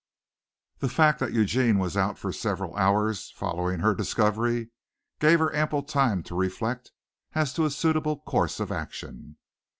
The fact that Eugene was out for several hours following her discovery gave her ample time to reflect as to a suitable course of action.